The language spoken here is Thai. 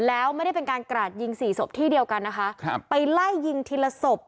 แล้วไม่ได้เป็นการกราดยิงสี่ศพที่เดียวกันนะคะครับไปไล่ยิงทีละศพ